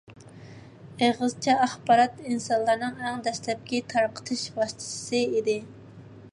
ئېغىزچە ئاخبارات ئىنسانلارنىڭ ئەڭ دەسلەپكى تارقىتىش ۋاسىتىسى ئىدى.